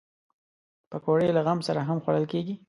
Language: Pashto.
پکورې له غم سره هم خوړل کېږي